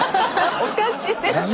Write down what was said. おかしいでしょ？